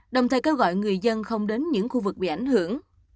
đồng thời kêu gọi người dân không đến những khu vực bị ảnh hưởng